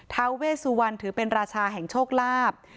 ท้าเวสุวรรณถือเป็นราชาแห่งโชคลาภ